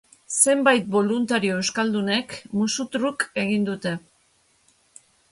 Zenbait boluntario euskaldunek, musu truk, egin dute.